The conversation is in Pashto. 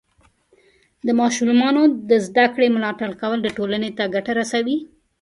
د ماشومانو د زده کړې ملاتړ کول ټولنې ته ګټه رسوي.